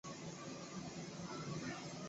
警方显然曾服用过量的安眠药自杀。